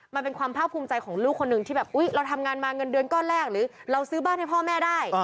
มันเป็นความภาคภูมิใจของลูกคนหนึ่งที่แบบอุ๊ยเราทำงานมาเงินเดือนก้อนแรกหรือเราซื้อบ้านให้พ่อแม่ได้